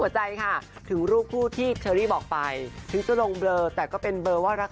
จะตึ่งจะตึ่งตึ่ง